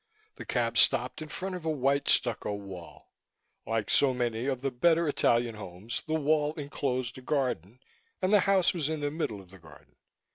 The cab stopped in front of a white stucco wall. Like so many of the better Italian homes, the wall enclosed a garden, and the house was in the middle of the garden.